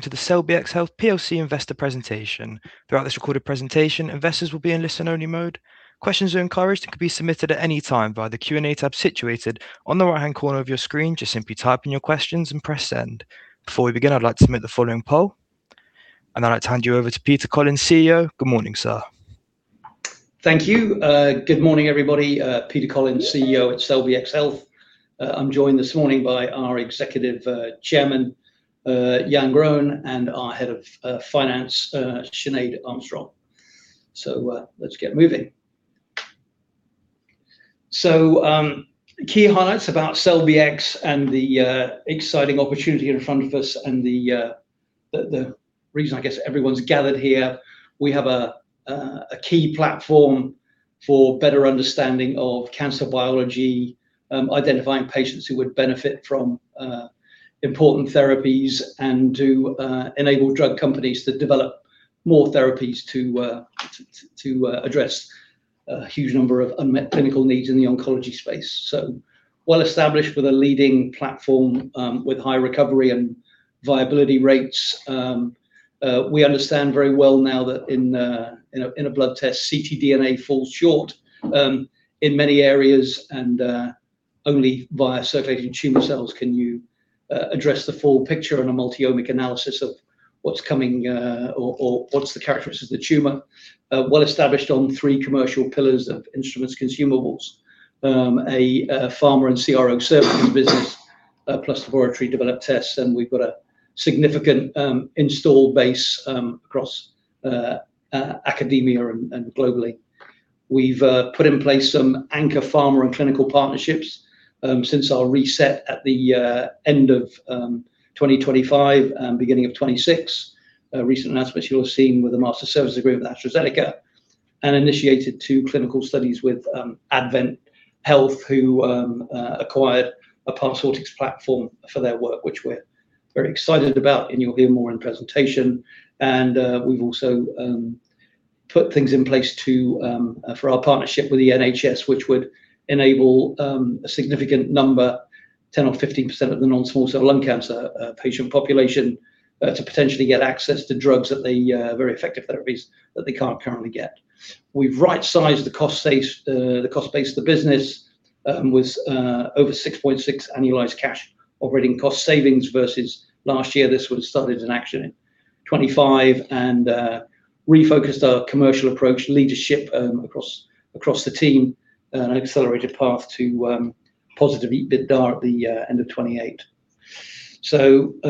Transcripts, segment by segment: To the CelLBxHealth plc investor presentation. Throughout this recorded presentation, investors will be in listen-only mode. Questions are encouraged and can be submitted at any time via the Q&A tab situated on the right-hand corner of your screen. Simply type in your questions and press send. Before we begin, I'd like to submit the following poll. Then I'd hand you over to Peter Collins, CEO. Good morning, sir. Thank you. Good morning, everybody. Peter Collins, CEO at CelLBxHealth. I'm joined this morning by our Executive Chairman, Jan Groen, and our Head of Finance, Sinéad Armstrong. Let's get moving. Key highlights about CelLBxHealth and the exciting opportunity in front of us and the reason I guess everyone's gathered here. We have a key platform for better understanding of cancer biology, identifying patients who would benefit from important therapies and to enable drug companies to develop more therapies to address a huge number of unmet clinical needs in the oncology space. Well-established with a leading platform, with high recovery and viability rates. We understand very well now that in a blood test, ctDNA falls short in many areas, and only via circulating tumor cells can you address the full picture in a multi-omic analysis of what's coming or what's the characteristics of the tumor. Well-established on three commercial pillars of instruments, consumables, a pharma and CRO servicing business, plus laboratory-developed tests. We've got a significant install base across academia and globally. We've put in place some anchor pharma and clinical partnerships since our reset at the end of 2025, beginning of 2026. A recent announcement you'll have seen with the master services agreement with AstraZeneca. Initiated two clinical studies with AdventHealth, who acquired a Parsortix platform for their work, which we're very excited about. You'll hear more in presentation. We've also put things in place for our partnership with the NHS, which would enable a significant number, 10% or 15% of the non-small cell lung cancer patient population, to potentially get access to drugs, very effective therapies that they can't currently get. We've right-sized the cost base of the business, with over 6.6 million annualized cash operating cost savings versus last year. This would've started in action in 2025. Refocused our commercial approach leadership across the team. An accelerated path to positive EBITDA at the end of 2028.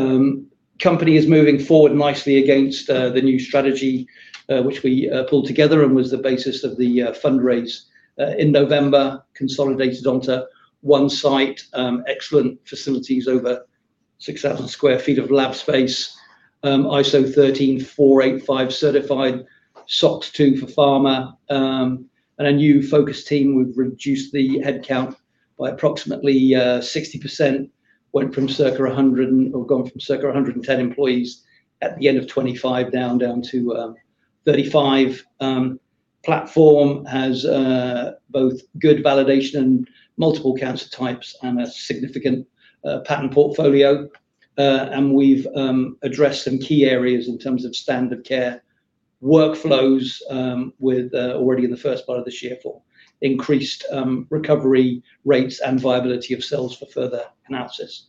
Company is moving forward nicely against the new strategy, which we pulled together and was the basis of the fundraise in November, consolidated onto one site, excellent facilities over 6,000 sq ft of lab space. ISO 13485 certified, SOC 2 for pharma. A new focused team. We've reduced the headcount by approximately 60%, went from circa 100, or gone from circa 110 employees at the end of 2025, down to 35. Platform has both good validation in multiple cancer types and a significant patent portfolio. We've addressed some key areas in terms of standard care workflows with already in the first part of this year, for increased recovery rates and viability of cells for further analysis.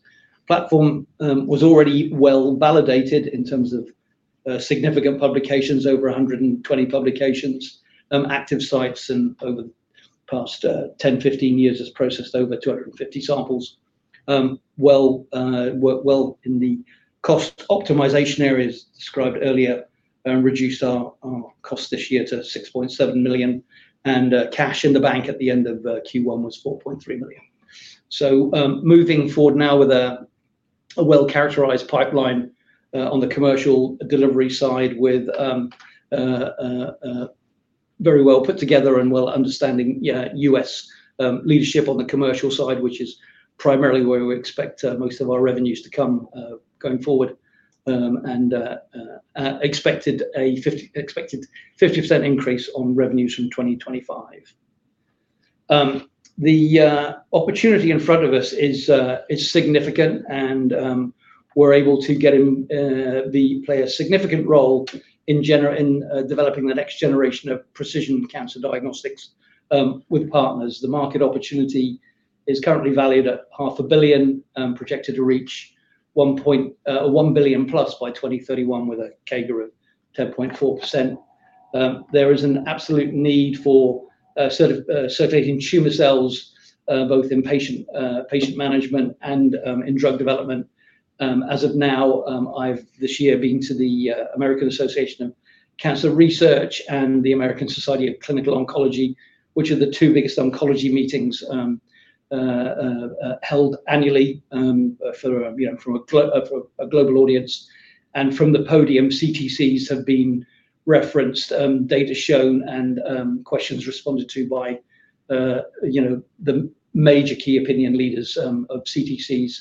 Platform was already well-validated in terms of significant publications, over 120 publications. Active sites over the past 10, 15 years has processed over 250 samples. In the cost optimization areas described earlier, and reduced our cost this year to 6.7 million, and cash in the bank at the end of Q1 was 4.3 million. Moving forward now with a well-characterized pipeline, on the commercial delivery side with very well put together and well understanding U.S. leadership on the commercial side, which is primarily where we expect most of our revenues to come going forward, and expected a 50% increase on revenues from 2025. The opportunity in front of us is significant and we're able to play a significant role in developing the next generation of precision cancer diagnostics, with partners. The market opportunity is currently valued at 0.5 billion, projected to reach 1 billion+ by 2031 with a CAGR of 10.4%. There is an absolute need for circulating tumor cells, both in patient management and in drug development. As of now, I've this year been to the American Association for Cancer Research and the American Society of Clinical Oncology, which are the two biggest oncology meetings held annually for a global audience. From the podium, CTCs have been referenced, data shown, and questions responded to by the major key opinion leaders of CTCs,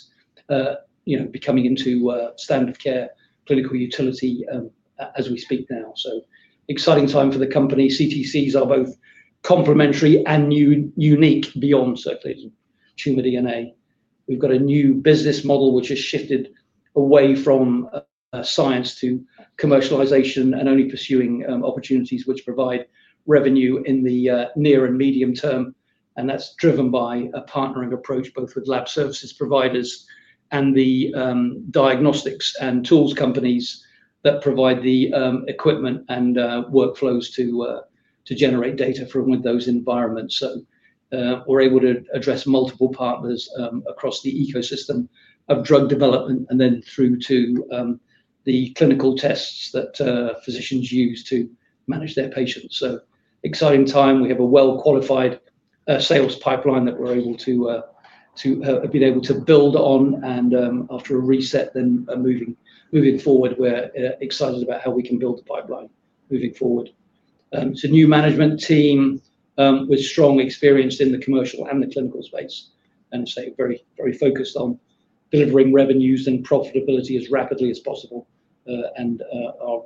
becoming into standard of care clinical utility as we speak now. Exciting time for the company. CTCs are both complementary and unique beyond circulating tumor DNA. We've got a new business model, which has shifted away from science to commercialization and only pursuing opportunities which provide revenue in the near and medium term, and that's driven by a partnering approach, both with lab services providers and the diagnostics and tools companies that provide the equipment and workflows to generate data from those environments. We're able to address multiple partners across the ecosystem of drug development and then through to the clinical tests that physicians use to manage their patients. Exciting time. We have a well-qualified sales pipeline that we've been able to build on and, after a reset, then moving forward, we're excited about how we can build the pipeline moving forward. New management team with strong experience in the commercial and the clinical space and, as I say, very focused on delivering revenues and profitability as rapidly as possible. Our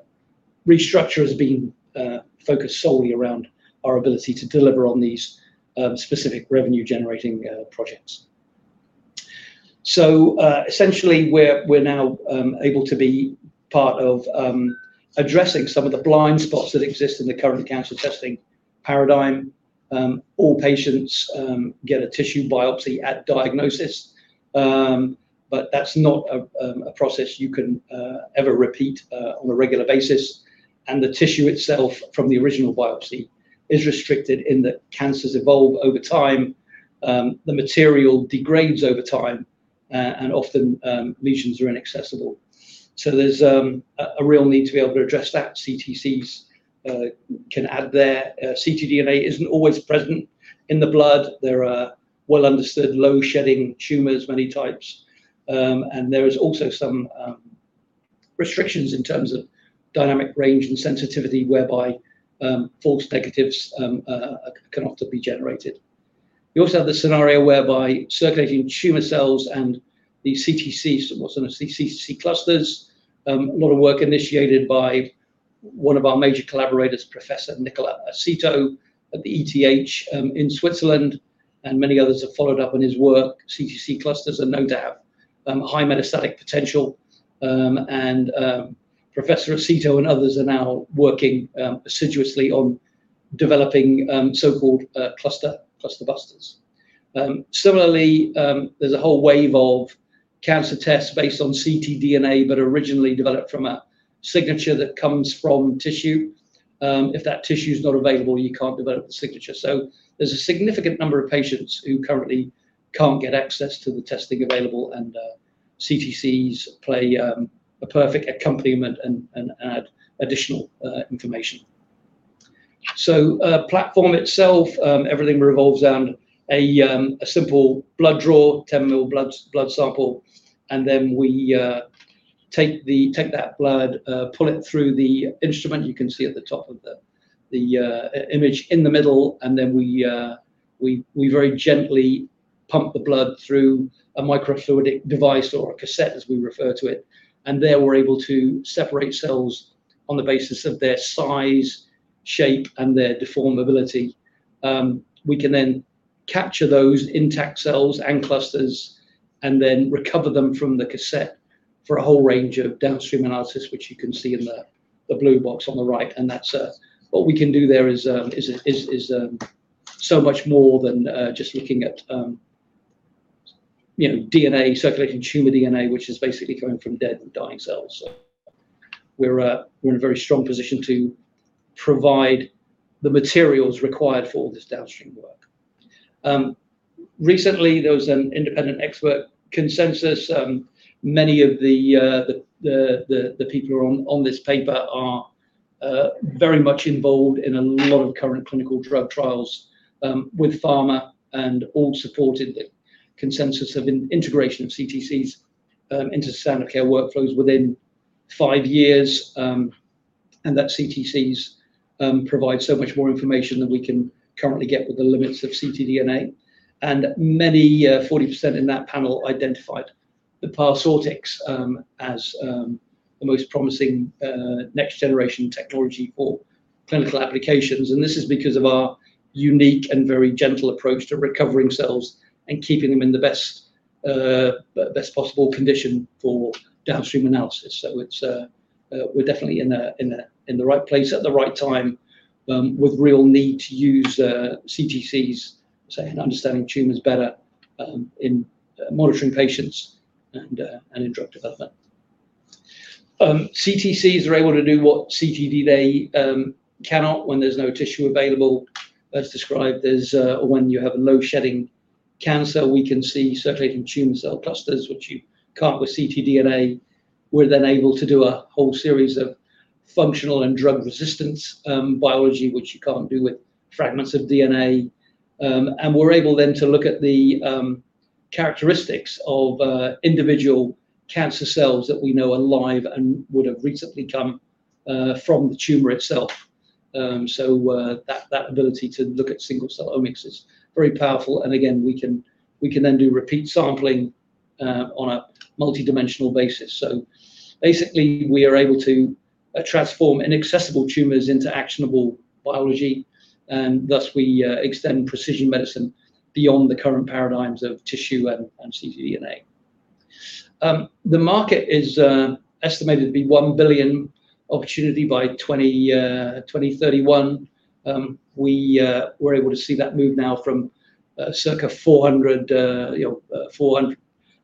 restructure has been focused solely around our ability to deliver on these specific revenue-generating projects. Essentially, we're now able to be part of addressing some of the blind spots that exist in the current cancer testing paradigm. All patients get a tissue biopsy at diagnosis, but that's not a process you can ever repeat on a regular basis, and the tissue itself from the original biopsy is restricted in that cancers evolve over time, the material degrades over time, and often lesions are inaccessible. There's a real need to be able to address that. CTCs can add there. ctDNA isn't always present in the blood. There are well-understood low-shedding tumors, many types, and there is also some restrictions in terms of dynamic range and sensitivity whereby false negatives can often be generated. You also have the scenario whereby circulating tumor cells and the CTCs, what's known as CTC clusters, a lot of work initiated by one of our major collaborators, Professor Nicola Aceto at the ETH in Switzerland, and many others have followed up on his work. CTC clusters are known to have high metastatic potential, and Professor Nicola Aceto and others are now working assiduously on developing so-called cluster busters. Similarly, there's a whole wave of cancer tests based on ctDNA, but originally developed from a signature that comes from tissue. If that tissue's not available, you can't develop the signature. There's a significant number of patients who currently can't get access to the testing available, and CTCs play a perfect accompaniment and add additional information. The platform itself, everything revolves around a simple blood draw, 10 mL blood sample, and then we take that blood, pull it through the instrument you can see at the top of the image in the middle, and then we very gently pump the blood through a microfluidic device or a cassette, as we refer to it, and there we're able to separate cells on the basis of their size, shape, and their deformability. We can then capture those intact cells and clusters and then recover them from the cassette for a whole range of downstream analysis, which you can see in the blue box on the right. What we can do there is so much more than just looking at circulating tumor DNA, which is basically coming from dead and dying cells. We're in a very strong position to provide the materials required for all this downstream work. Recently, there was an independent expert consensus. Many of the people who are on this paper are very much involved in a lot of current clinical drug trials with pharma and all supported the consensus of integration of CTCs into standard care workflows within five years, and that CTCs provide so much more information than we can currently get with the limits of ctDNA. Many, 40% in that panel, identified the Parsortix as the most promising next-generation technology for clinical applications, and this is because of our unique and very gentle approach to recovering cells and keeping them in the best possible condition for downstream analysis. We're definitely in the right place at the right time, with real need to use CTCs, say, in understanding tumors better, in monitoring patients and in drug development. CTCs are able to do what ctDNA cannot when there's no tissue available, as described. When you have a low-shedding cancer, we can see circulating tumor cell clusters, which you can't with ctDNA. We're then able to do a whole series of functional and drug-resistance biology, which you can't do with fragments of DNA. We're able then to look at the characteristics of individual cancer cells that we know are live and would have recently come from the tumor itself. That ability to look at single-cell omics is very powerful and, again, we can then do repeat sampling on a multi-dimensional basis. Basically, we are able to transform inaccessible tumors into actionable biology, and thus we extend precision medicine beyond the current paradigms of tissue and ctDNA. The market is estimated to be a 1 billion opportunity by 2031. We were able to see that move now from circa 400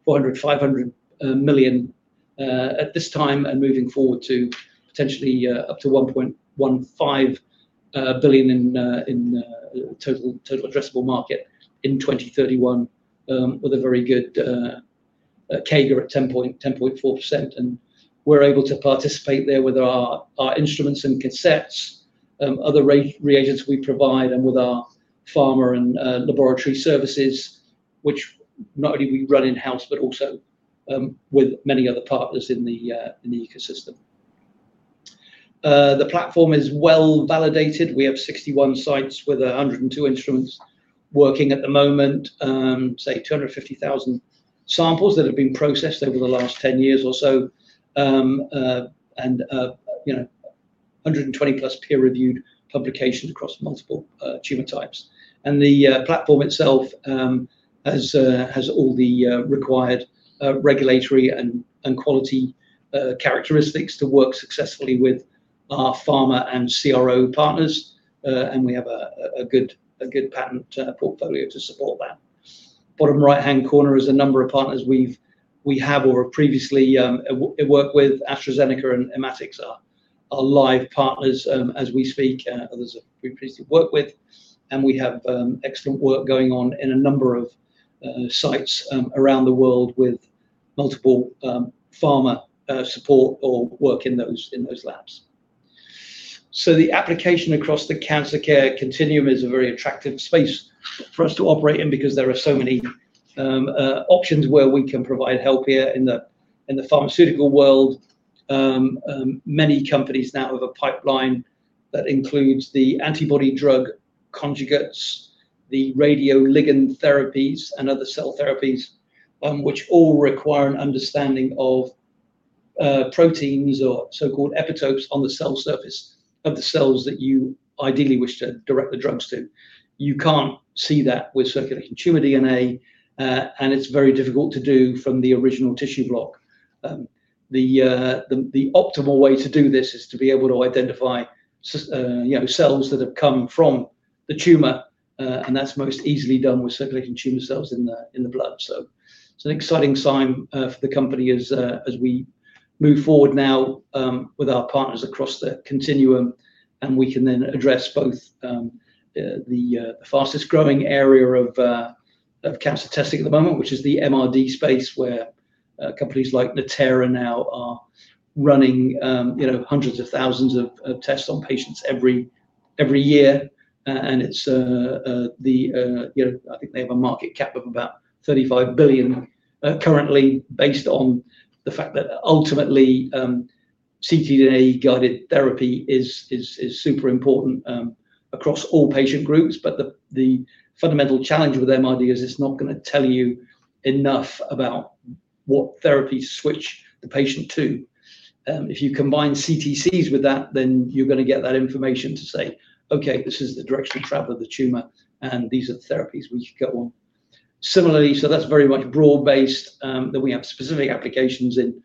million-500 million at this time, moving forward to potentially up to 1.15 billion in total addressable market in 2031, with a very good CAGR at 10.4%. We are able to participate there with our instruments and cassettes, other reagents we provide, and with our pharma and laboratory services, which not only we run in-house, but also with many other partners in the ecosystem. The platform is well-validated. We have 61 sites with 102 instruments working at the moment. Say 250,000 samples that have been processed over the last 10 years or so, and 120+ peer-reviewed publications across multiple tumor types. The platform itself has all the required regulatory and quality characteristics to work successfully with our pharma and CRO partners. We have a good patent portfolio to support that. Bottom right-hand corner is a number of partners we have or have previously worked with. AstraZeneca and Ematix are live partners as we speak, others that we previously worked with. We have excellent work going on in a number of sites around the world with multiple pharma support or work in those labs. The application across the cancer care continuum is a very attractive space for us to operate in because there are so many options where we can provide help here in the pharmaceutical world. Many companies now have a pipeline that includes the antibody-drug conjugates, the radioligand therapies, and other cell therapies, which all require an understanding of proteins or so-called epitopes on the cell surface of the cells that you ideally wish to direct the drugs to. You cannot see that with circulating tumor DNA, and it is very difficult to do from the original tissue block. The optimal way to do this is to be able to identify cells that have come from the tumor, and that is most easily done with circulating tumor cells in the blood. It is an exciting time for the company as we move forward now with our partners across the continuum, and we can address both the fastest-growing area of cancer testing at the moment, which is the MRD space, where companies like Natera now are running hundreds of thousands of tests on patients every year. I think they have a market cap of about 35 billion currently based on the fact that ultimately, ctDNA-guided therapy is super important across all patient groups. The fundamental challenge with MRD is it is not going to tell you enough about what therapy to switch the patient to. If you combine CTCs with that, you are going to get that information to say, "Okay, this is the direction of travel of the tumor, and these are the therapies we should go on." That is very much broad-based, that we have specific applications in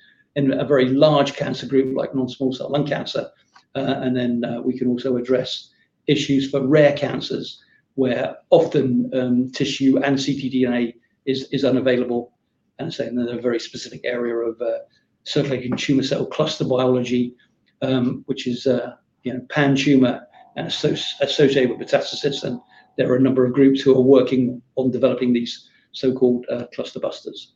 a very large cancer group like non-small cell lung cancer. We can also address issues for rare cancers, where often tissue and ctDNA is unavailable. In a very specific area of circulating tumor cell cluster biology, which is pan-tumor and associated with metastasis, there are a number of groups who are working on developing these so-called cluster busters.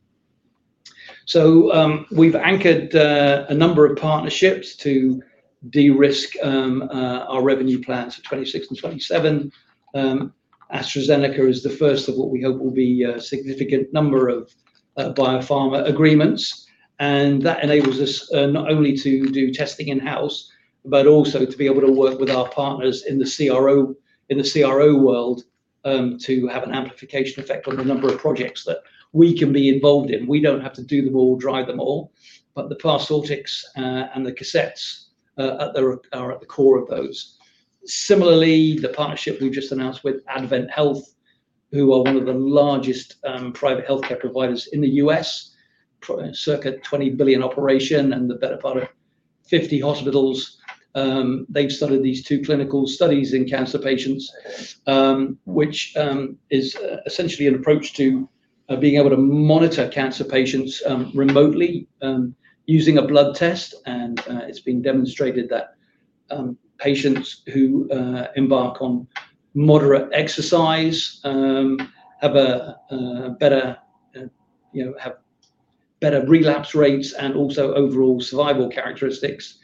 We've anchored a number of partnerships to de-risk our revenue plans for 2026 and 2027. AstraZeneca is the first of what we hope will be a significant number of biopharma agreements. That enables us not only to do testing in-house, but also to be able to work with our partners in the CRO world to have an amplification effect on the number of projects that we can be involved in. We don't have to do them all, drive them all, but the Parsortix and the cassettes are at the core of those. Similarly, the partnership we've just announced with AdventHealth, who are one of the largest private healthcare providers in the U.S., circa 20 billion operation and the better part of 50 hospitals. They've started these two clinical studies in cancer patients, which is essentially an approach to being able to monitor cancer patients remotely using a blood test. It's been demonstrated that patients who embark on moderate exercise have better relapse rates and also overall survival characteristics.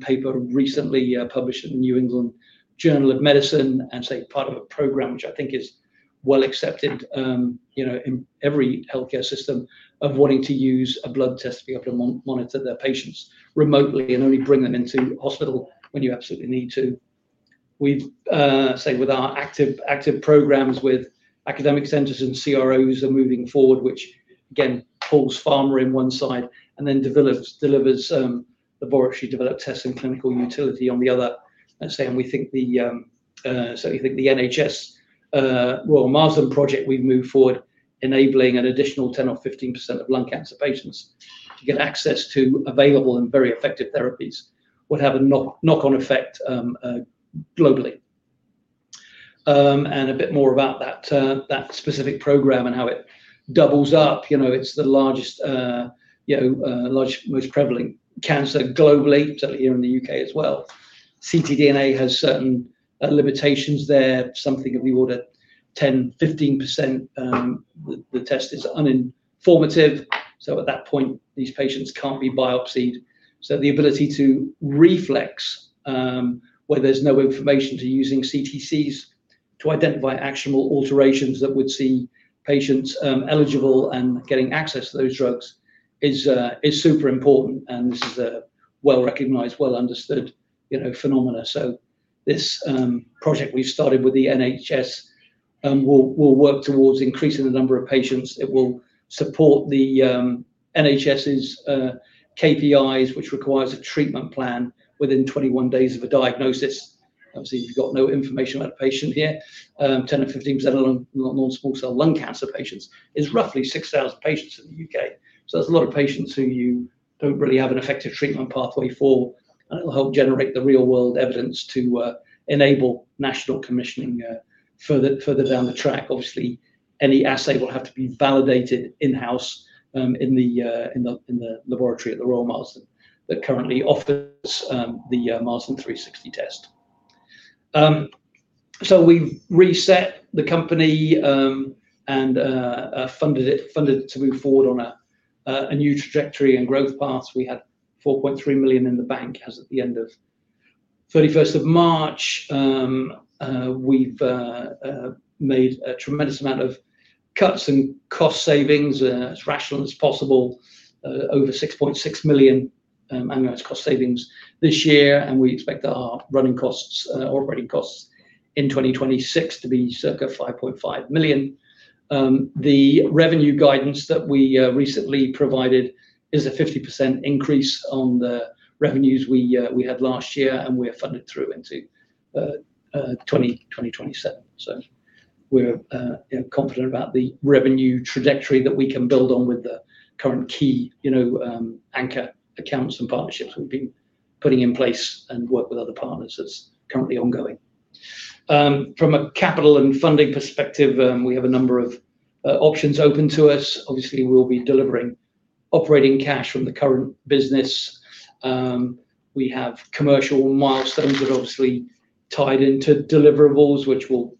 Paper recently published in The New England Journal of Medicine, part of a program, which I think is well accepted in every healthcare system, of wanting to use a blood test to be able to monitor their patients remotely and only bring them into hospital when you absolutely need to. We've with our active programs with academic centers and CROs are moving forward, which again, pulls pharma in one side and then delivers the laboratory-developed tests and clinical utility on the other. We think the NHS Royal Marsden project we've moved forward enabling an additional 10% or 15% of lung cancer patients to get access to available and very effective therapies, would have a knock-on effect globally. A bit more about that specific program and how it doubles up. It's the largest, most prevalent cancer globally, certainly here in the U.K. as well. ctDNA has certain limitations there, something of the order 10%, 15%, the test is uninformative. At that point, these patients can't be biopsied. The ability to reflex, where there's no information to using CTCs to identify actionable alterations that would see patients eligible and getting access to those drugs is super important. This is a well-recognized, well-understood phenomena. This project we've started with the NHS, will work towards increasing the number of patients. It will support the NHS's KPIs, which requires a treatment plan within 21 days of a diagnosis. Obviously, you've got no information about a patient here. 10%-15% of non-small cell lung cancer patients is roughly 6,000 patients in the U.K. That's a lot of patients who you don't really have an effective treatment pathway for, and it'll help generate the real-world evidence to enable national commissioning further down the track. Obviously, any assay will have to be validated in-house in the laboratory at the Royal Marsden that currently offers the Marsden 360 test. We've reset the company, funded it to move forward on a new trajectory and growth path. We had 4.3 million in the bank as at the end of 31st of March. We've made a tremendous amount of cuts and cost savings, as rational as possible, over 6.6 million annualized cost savings this year. We expect our running costs, operating costs in 2026 to be circa 5.5 million. The revenue guidance that we recently provided is a 50% increase on the revenues we had last year, we are funded through into 2027. We're confident about the revenue trajectory that we can build on with the current key anchor accounts and partnerships we've been putting in place and work with other partners that's currently ongoing. From a capital and funding perspective, we have a number of options open to us. Obviously, we'll be delivering operating cash from the current business. We have commercial milestones that are obviously tied into deliverables, which will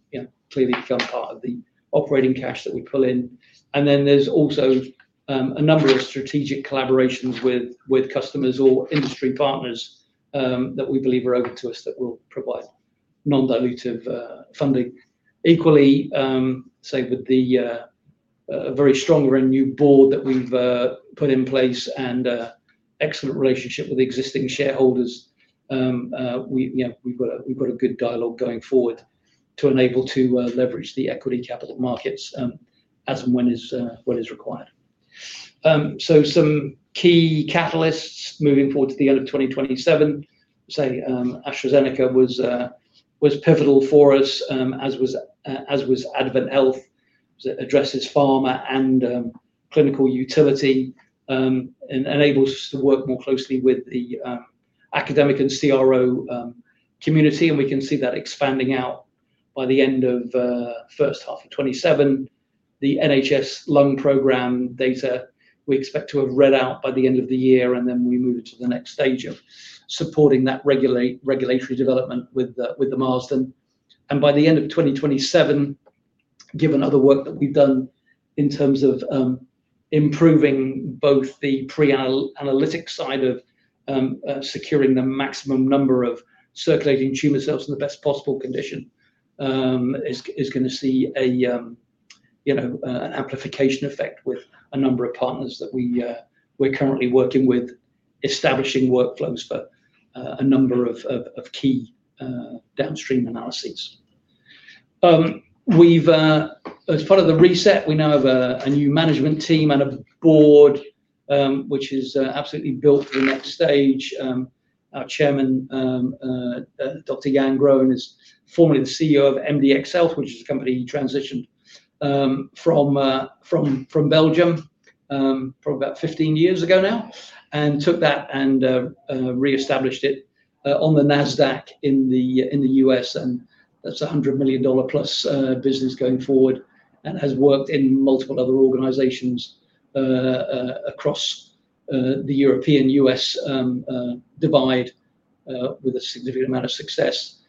clearly become part of the operating cash that we pull in. There is also a number of strategic collaborations with customers or industry partners, that we believe are open to us that will provide non-dilutive funding. Equally, with the very strong revenue board that we've put in place and excellent relationship with existing shareholders, we've got a good dialogue going forward to enable to leverage the equity capital markets, as and when is required. Some key catalysts moving forward to the end of 2027. AstraZeneca was pivotal for us, as was AdventHealth, addresses pharma and clinical utility, enables us to work more closely with the academic and CRO community. We can see that expanding out by the end of H1 of 2027. The NHS lung program data we expect to have read out by the end of the year, then we move it to the next stage of supporting that regulatory development with the Marsden. By the end of 2027, given other work that we've done in terms of improving both the pre-analytic side of securing the maximum number of circulating tumor cells in the best possible condition, is going to see an amplification effect with a number of partners that we're currently working with, establishing workflows for a number of key downstream analyses. As part of the reset, we now have a new management team and a board, which is absolutely built for the next stage. Our chairman, Dr Jan Groen, is formerly the CEO of MDxHealth, which is a company he transitioned from Belgium, from about 15 years ago now. Took that and reestablished it on the NASDAQ in the U.S. That is a $100 million+ business going forward and has worked in multiple other organizations across the European-U.S. divide, with a significant amount of success.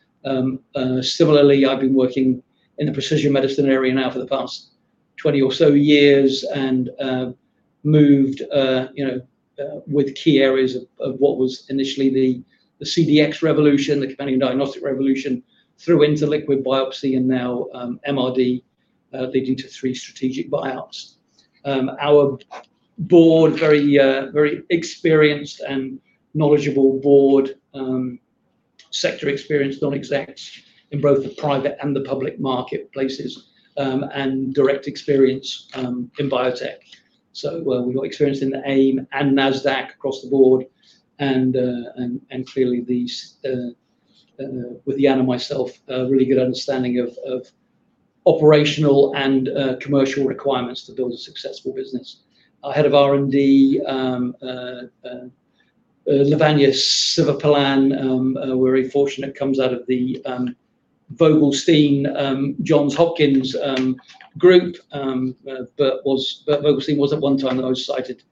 Similarly, I've been working in the precision medicine area now for the past 20 or so years and moved with key areas of what was initially the CDx revolution, the companion diagnostic revolution, through into liquid biopsy and now MRD, leading to three strategic buyouts. Our board, very experienced and knowledgeable board, sector experienced non-execs in both the private and the public marketplaces, direct experience in biotech. We've got experience in the AIM and NASDAQ across the board, and clearly with Jan myself, a really good understanding of operational and commercial requirements to build a successful business. Our Head of R&D, Lavanya Sivapalan, we're very fortunate, comes out of the Vogelstein Johns Hopkins group. Vogelstein was at one time the most cited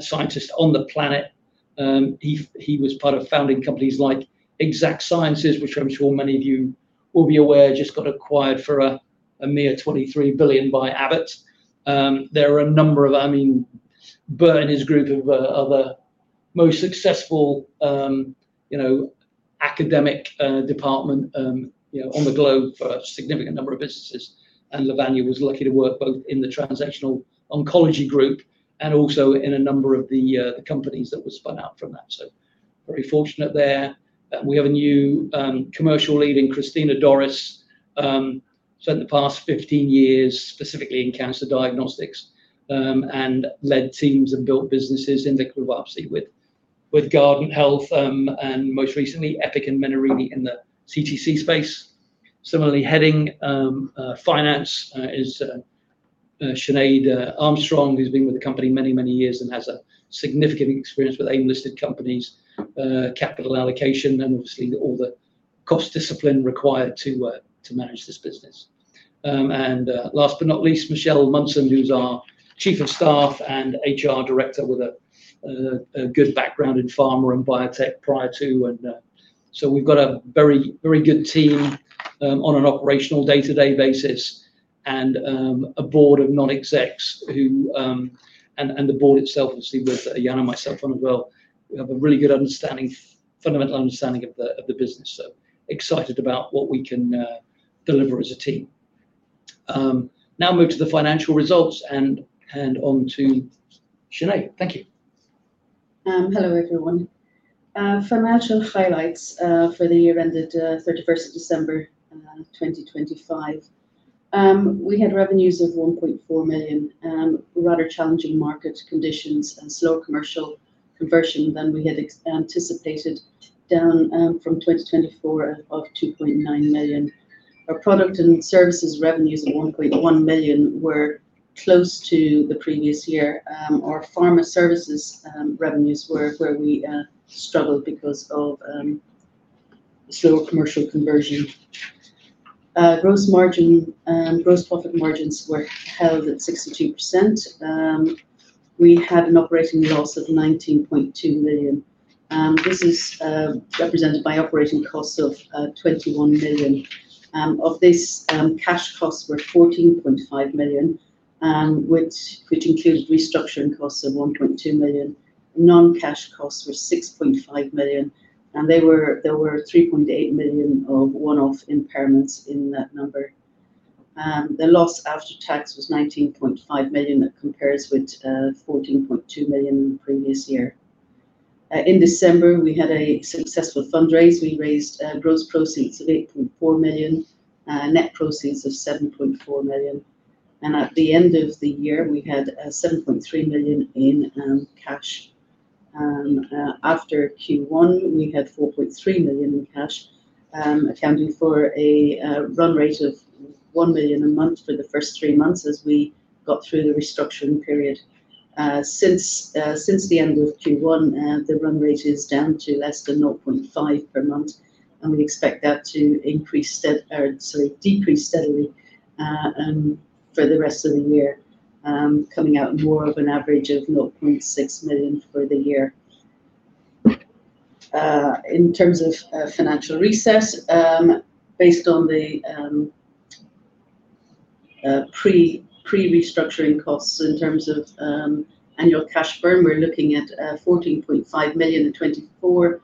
scientist on the planet. He was part of founding companies like Exact Sciences, which I'm sure many of you will be aware, just got acquired for a mere 23 billion by Abbott. There are a number of, I mean, Bert and his group, one of the most successful academic departments on the globe for a significant number of businesses, and Lavanya was lucky to work both in the translational oncology group and also in a number of the companies that were spun out from that. Very fortunate there. We have a new commercial lead in Christina Dorris. Spent the past 15 years specifically in cancer diagnostics, and led teams and built businesses in liquid biopsy with Guardant Health, and most recently Epic and Menarini in the CTC space. Similarly, heading finance is Sinéad Armstrong, who's been with the company many, many years and has significant experience with AIM-listed companies, capital allocation, and obviously all the cost discipline required to manage this business. Last but not least, Michelle Munson, who's our Chief of Staff and HR Director with a good background in pharma and biotech prior to. We've got a very good team on an operational day-to-day basis and a board of non-execs who, and the board itself, obviously with Jan myself on as well, we have a really good fundamental understanding of the business. Excited about what we can deliver as a team. Move to the financial results and on to Sinéad. Thank you. Hello, everyone. Financial highlights for the year ended 31st of December 2025. We had revenues of 1.4 million. Rather challenging market conditions and slower commercial conversion than we had anticipated, down from 2024 of 2.9 million. Our product and services revenues of 1.1 million were close to the previous year. Our pharma services revenues were where we struggled because of slower commercial conversion. Gross profit margins were held at 62%. We had an operating loss of 19.2 million. This is represented by operating costs of 21 million. Of this, cash costs were 14.5 million, which includes restructuring costs of 1.2 million. Non-cash costs were 6.5 million, and there were 3.8 million of one-off impairments in that number. The loss after tax was 19.5 million. That compares with 14.2 million the previous year. In December, we had a successful fundraise. We raised gross proceeds of 8.4 million. Net proceeds of 7.4 million. At the end of the year, we had 7.3 million in cash. After Q1, we had 4.3 million in cash, accounting for a run rate of 1 million a month for the first three months as we got through the restructuring period. Since the end of Q1, the run rate is down to less than 0.5 per month, and we expect that to decrease steadily for the rest of the year, coming out more of an average of 0.6 million for the year. In terms of financial recess, based on the pre-restructuring costs in terms of annual cash burn, we're looking at 14.5 million in 2024,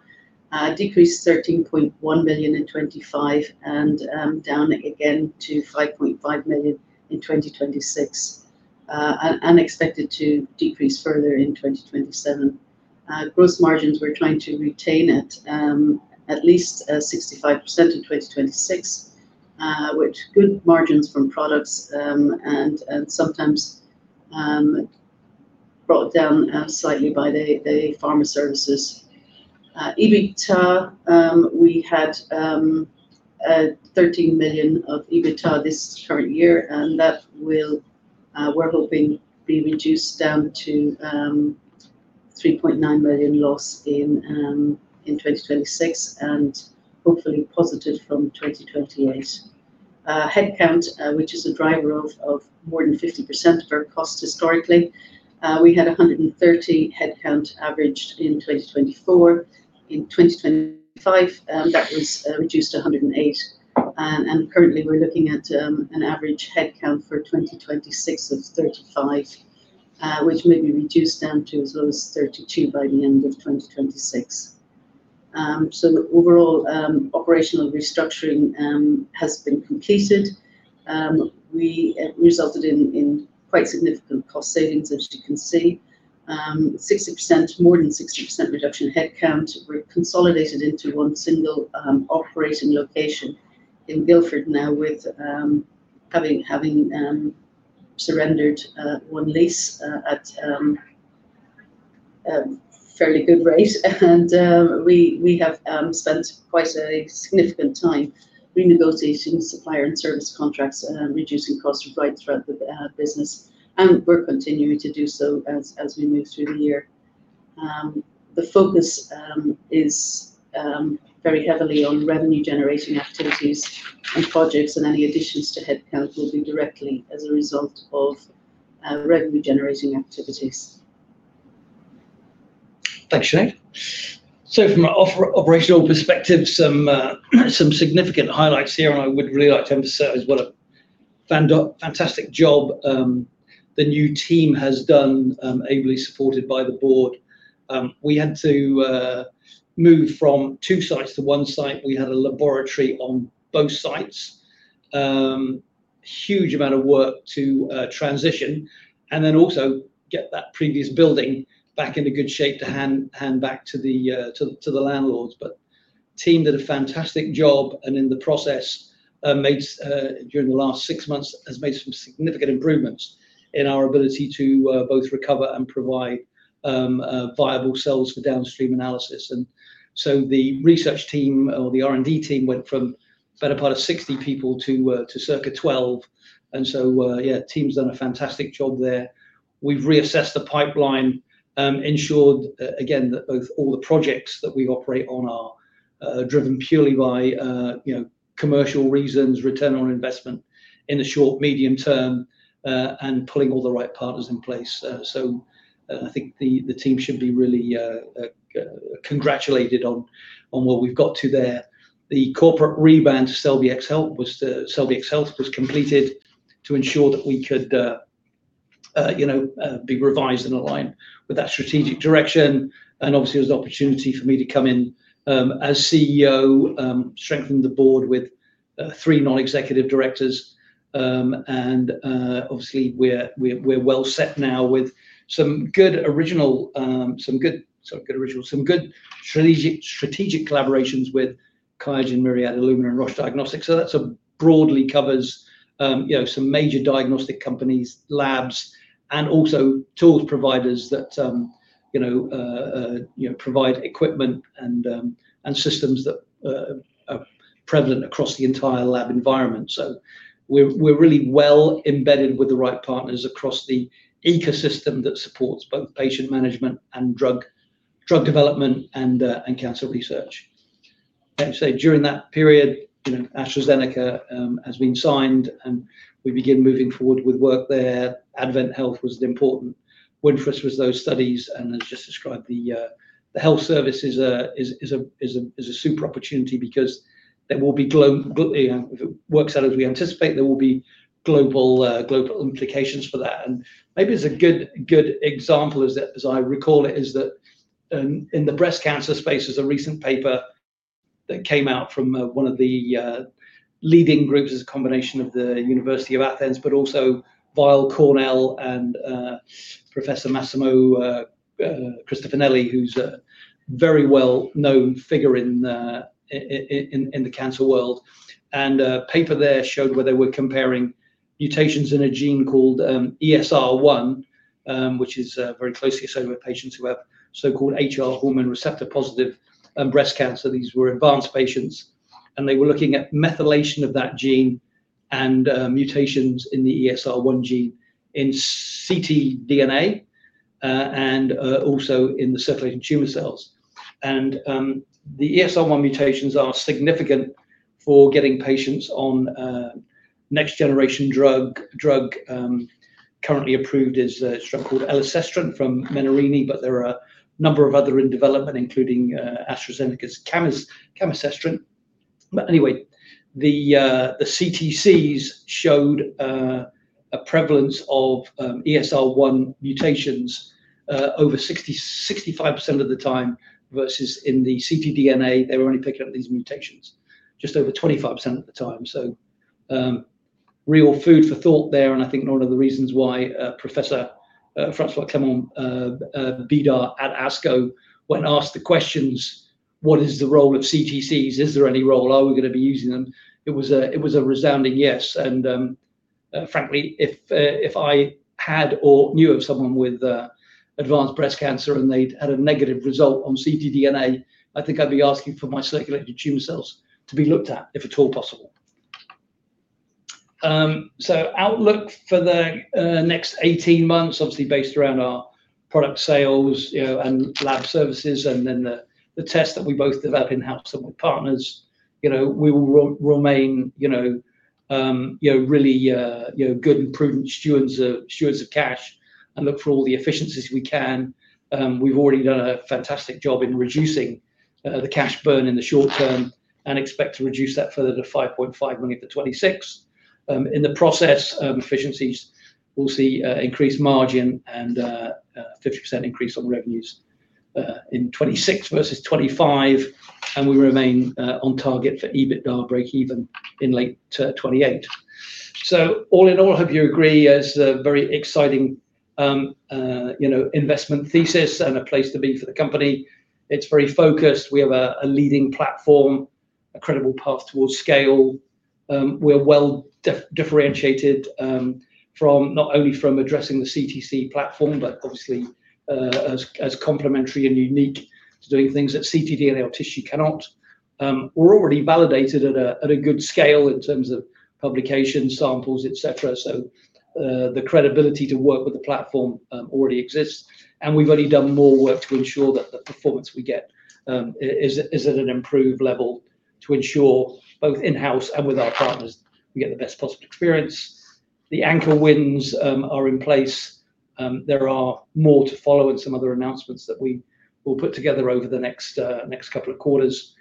a decrease to 13.1 million in 2025, and down again to 5.5 million in 2026, and expected to decrease further in 2027. Gross margins, we're trying to retain at least 65% in 2026, which good margins from products, and sometimes brought down slightly by the pharma services. EBITDA, we had 13 million of EBITDA this current year, and that we're hoping be reduced down to 3.9 million loss in 2026, and hopefully positive from 2028. Headcount, which is a driver of more than 50% of our costs historically. We had 130 headcount averaged in 2024. In 2025, that was reduced to 108, and currently we're looking at an average headcount for 2026 of 35, which may be reduced down to as low as 32 by the end of 2026. Overall, operational restructuring has been completed. It resulted in quite significant cost savings, as you can see. More than 60% reduction in headcount. We're consolidated into one single operating location in Guildford now, having surrendered one lease at a fairly good rate. We have spent quite a significant time renegotiating supplier and service contracts, reducing costs right throughout the business, and we're continuing to do so as we move through the year. The focus is very heavily on revenue-generating activities and projects, and any additions to headcount will be directly as a result of revenue-generating activities. Thanks, Sinéad. From an operational perspective, some significant highlights here, and I would really like to emphasize what a fantastic job the new team has done, ably supported by the board. We had to move from two sites to one site. We had a laboratory on both sites. Huge amount of work to transition, and then also get that previous building back into good shape to hand back to the landlords. The team did a fantastic job, and in the process, during the last six months, has made some significant improvements in our ability to both recover and provide viable cells for downstream analysis. The research team, or the R&D team, went from the better part of 60 people to circa 12, the team's done a fantastic job there. We've reassessed the pipeline, ensured, again, that all the projects that we operate on are driven purely by commercial reasons, return on investment in the short, medium term, and putting all the right partners in place. I think the team should be really congratulated on what we've got to there. The corporate rebrand to CelLBxHealth was completed to ensure that we could be revised and aligned with that strategic direction. Obviously, it was an opportunity for me to come in as CEO, strengthen the board with three non-executive directors. Obviously, we're well set now with some good strategic collaborations with QIAGEN, Myriad, Illumina, and Roche Diagnostics. That broadly covers some major diagnostic companies, labs, and also tools providers that provide equipment and systems that are prevalent across the entire lab environment. We're really well embedded with the right partners across the ecosystem that supports both patient management and drug development and cancer research. During that period, AstraZeneca has been signed, and we begin moving forward with work there. AdventHealth was important for us with those studies, and as just described, the health service is a super opportunity because if it works out as we anticipate, there will be global implications for that. Maybe as a good example, as I recall it, is that in the breast cancer space, there's a recent paper that came out from one of the leading groups as a combination of the University of Athens, but also Weill Cornell and Professor Massimo Cristofanilli, who's a very well-known figure in the cancer world. A paper there showed where they were comparing mutations in a gene called ESR1, which is very closely associated with patients who have so-called HR, hormone receptor, positive breast cancer. These were advanced patients, and they were looking at methylation of that gene and mutations in the ESR1 gene in ctDNA and also in the circulating tumor cells. The ESR1 mutations are significant for getting patients on a next generation drug. Currently approved is a drug called elacestrant from Menarini, but there are a number of other in development, including AstraZeneca's camizestrant. Anyway, the CTCs showed a prevalence of ESR1 mutations over 65% of the time, versus in the ctDNA, they were only picking up these mutations just over 25% of the time. Real food for thought there, and I think one of the reasons why Professor François-Clément Bidard at ASCO, when asked the questions, "What is the role of CTCs? Is there any role? Are we going to be using them?" It was a resounding yes. Frankly, if I had or knew of someone with advanced breast cancer and they'd had a negative result on ctDNA, I think I'd be asking for my circulating tumor cells to be looked at, if at all possible. Outlook for the next 18 months, obviously based around our product sales and lab services, and then the tests that we both develop in-house and with partners. We will remain really good and prudent stewards of cash and look for all the efficiencies we can. We've already done a fantastic job in reducing the cash burn in the short term. Expect to reduce that further to 5.5 million to 2026. In the process efficiencies, we'll see increased margin and a 50% increase on revenues in 2026 versus 2025, and we remain on target for EBITDA breakeven in late 2028. All in all, hope you agree, it's a very exciting investment thesis and a place to be for the company. It's very focused. We have a leading platform, a credible path towards scale. We are well differentiated, not only from addressing the CTC platform, but obviously, as complementary and unique to doing things that ctDNA or tissue cannot. We're already validated at a good scale in terms of publication samples, et cetera, so the credibility to work with the platform already exists. We've already done more work to ensure that the performance we get is at an improved level to ensure both in-house and with our partners we get the best possible experience. The anchor wins are in place. There are more to follow and some other announcements that we will put together over the next couple of quarters.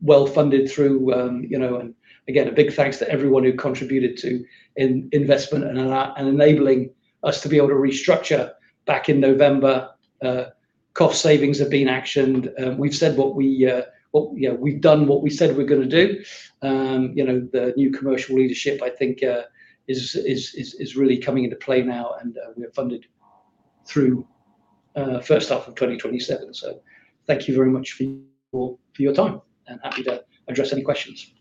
Well-funded through. Again, a big thanks to everyone who contributed to investment and enabling us to be able to restructure back in November. Cost savings have been actioned. We've done what we said we're going to do. The new commercial leadership, I think, is really coming into play now, and we are funded through first half of 2027. Thank you very much for your time, and happy to address any questions.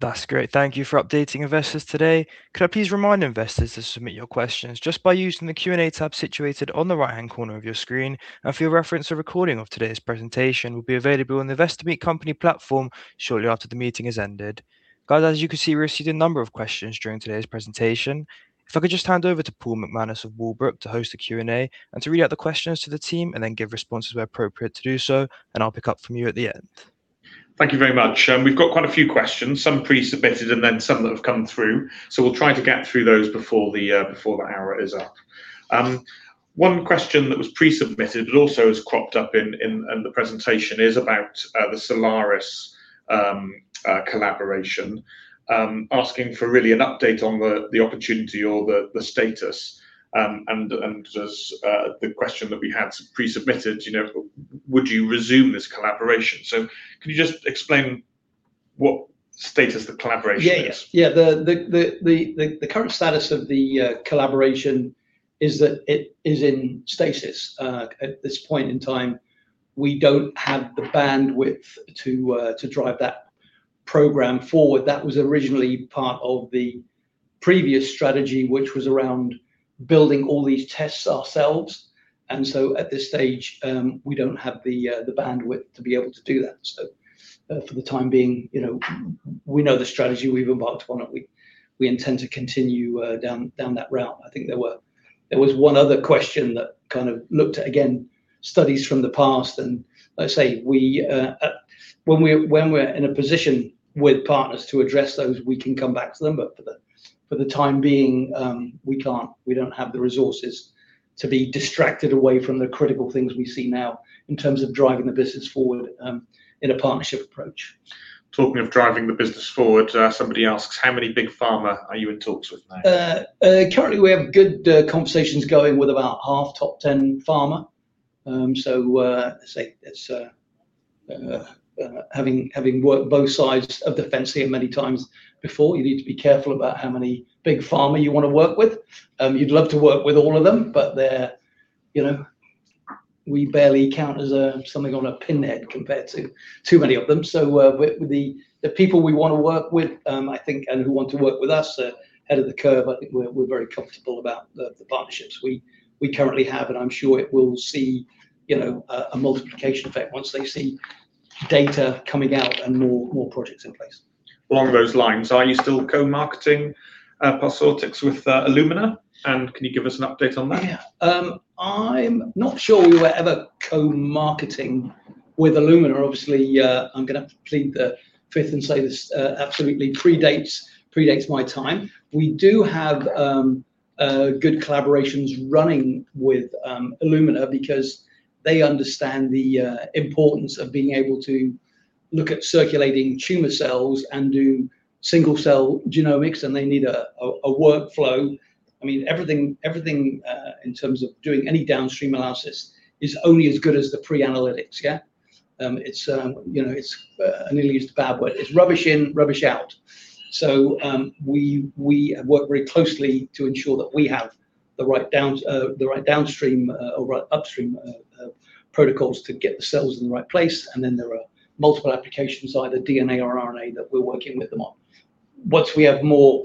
That's great. Thank you for updating investors today. Could I please remind investors to submit your questions just by using the Q&A tab situated on the right-hand corner of your screen. For your reference, a recording of today's presentation will be available on the Investor Meet Company platform shortly after the meeting has ended. Guys, as you can see, we're receiving a number of questions during today's presentation. If I could just hand over to Paul McManus of Walbrook to host the Q&A and to read out the questions to the team, and then give responses where appropriate to do so, and I'll pick up from you at the end. Thank you very much. We've got quite a few questions, some pre-submitted and then some that have come through. We'll try to get through those before the hour is up. One question that was pre-submitted, but also has cropped up in the presentation is about the Solaris collaboration, asking for really an update on the opportunity or the status. The question that we had pre-submitted, would you resume this collaboration? Can you just explain what status the collaboration is? Yeah. The current status of the collaboration is that it is in stasis. At this point in time, we don't have the bandwidth to drive that program forward. That was originally part of the previous strategy, which was around building all these tests ourselves. At this stage, we don't have the bandwidth to be able to do that. For the time being, we know the strategy we've embarked upon, and we intend to continue down that route. I think there was one other question that kind of looked at, again, studies from the past. Like I say, when we're in a position with partners to address those, we can come back to them. For the time being, we can't. We don't have the resources to be distracted away from the critical things we see now in terms of driving the business forward, in a partnership approach. Talking of driving the business forward, somebody asks, "How many big pharma are you in talks with now? Currently, we have good conversations going with about half top 10 pharma. Like I say, having worked both sides of the fence here many times before, you need to be careful about how many big pharma you wanna work with. You'd love to work with all of them, we barely count as something on a pinhead compared to too many of them. With the people we wanna work with, I think, and who want to work with us, are ahead of the curve. I think we're very comfortable about the partnerships we currently have, and I'm sure it will see a multiplication effect once they see data coming out and more projects in place. Along those lines, are you still co-marketing Parsortix with Illumina? Can you give us an update on that? Yeah. I'm not sure we were ever co-marketing with Illumina. Obviously, I'm gonna have to plead the Fifth and say this absolutely predates my time. We do have good collaborations running with Illumina because they understand the importance of being able to look at circulating tumor cells and do single-cell genomics, and they need a workflow. Everything in terms of doing any downstream analysis is only as good as the pre-analytics, yeah? It's an ill-used, bad word. It's rubbish in, rubbish out. We work very closely to ensure that we have the right downstream or upstream protocols to get the cells in the right place, and then there are multiple applications, either DNA or RNA, that we're working with them on. Once we have more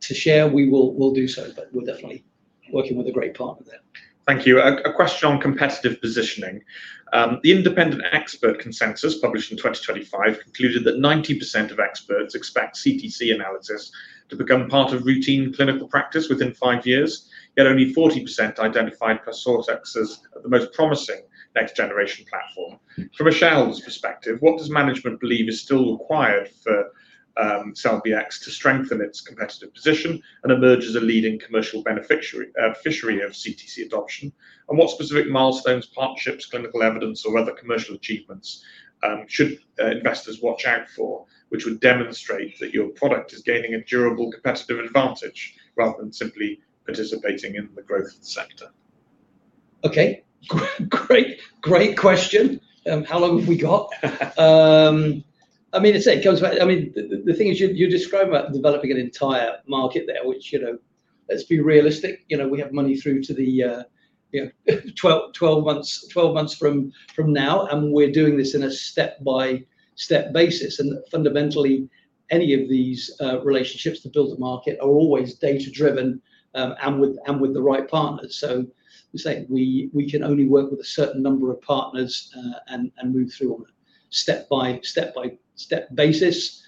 to share, we'll do so, but we're definitely working with a great partner there. Thank you. A question on competitive positioning. The independent expert consensus published in 2025 concluded that 90% of experts expect CTC analysis to become part of routine clinical practice within five years, yet only 40% identified Parsortix as the most promising next generation platform. From a shareholder's perspective, what does management believe is still required for CelLBx to strengthen its competitive position and emerge as a leading commercial beneficiary of CTC adoption? What specific milestones, partnerships, clinical evidence, or other commercial achievements should investors watch out for, which would demonstrate that your product is gaining a durable competitive advantage rather than simply participating in the growth of the sector? Okay. Great question. How long have we got? The thing is, you're describing about developing an entire market there, which, let's be realistic, we have money through to the 12 months from now, and we're doing this in a step-by-step basis. Fundamentally, any of these relationships that build the market are always data-driven and with the right partners. As I say, we can only work with a certain number of partners, and move through on a step-by-step basis.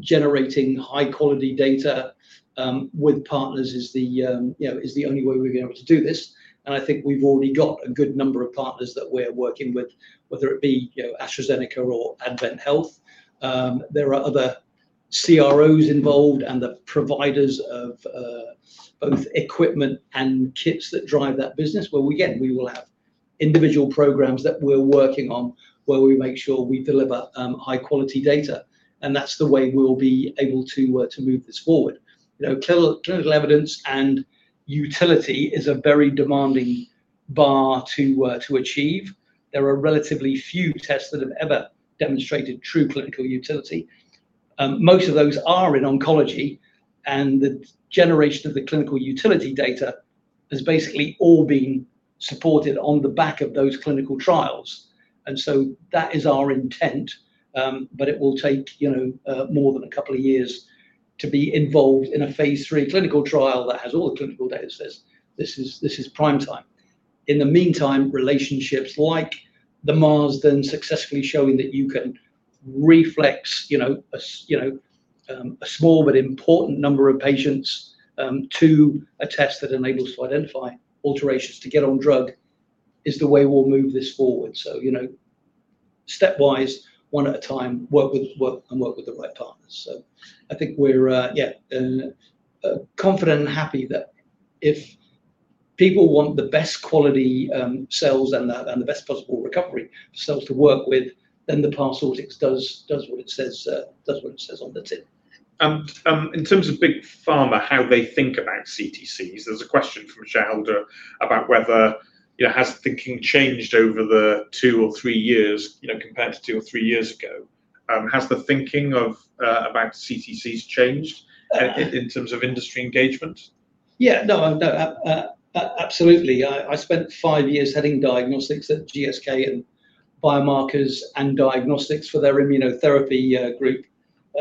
Generating high quality data, with partners is the only way we're going to be able to do this. I think we've already got a good number of partners that we're working with, whether it be AstraZeneca or AdventHealth. There are other CROs involved and the providers of both equipment and kits that drive that business, where again, we will have individual programs that we're working on where we make sure we deliver high quality data. That's the way we'll be able to work to move this forward. Clinical evidence and utility is a very demanding bar to work to achieve. There are relatively few tests that have ever demonstrated true clinical utility. Most of those are in oncology, and the generation of the clinical utility data has basically all been supported on the back of those clinical trials. That is our intent, but it will take more than a couple of years to be involved in a phase III clinical trial that has all the clinical data that says, "This is prime time." In the meantime, relationships like the Marsden successfully showing that you can reflex a small but important number of patients, to a test that enables to identify alterations to get on drug, is the way we'll move this forward. Step wise, one at a time, and work with the right partners. I think we're confident and happy that if people want the best quality cells and the best possible recovery cells to work with, then the Parsortix does what it says on the tin. In terms of Big Pharma, how they think about CTCs, there's a question from a shareholder about whether, has the thinking changed over the two or three years, compared to two or three years ago? Has the thinking about CTCs changed in terms of industry engagement? Yeah. No, absolutely. I spent five years heading diagnostics at GSK and biomarkers and diagnostics for their immunotherapy group,